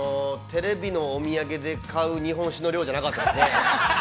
◆テレビのお土産で買う、日本酒の量じゃなかったですね。